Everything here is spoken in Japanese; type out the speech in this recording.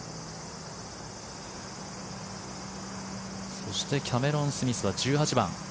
そしてキャメロン・スミスは１８番。